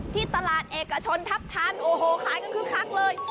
ที่ตลาดเอกชนทัพทันโอ้โหขายกันคึกคักเลย